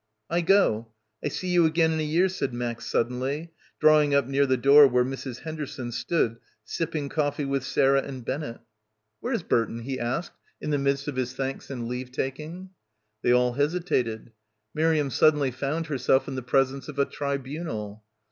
"I go; I see you again in a year," said Max suddenly, drawing up near the door where Mrs. Henderson stood sipping coffee with Sarah and Bennett. "Where is Burton?" he asked in the midst of his thanks and leave taking. — 73 — PILGRIMAGE They all hesitated. Miriam suddenly found herself in the presence of a tribunal.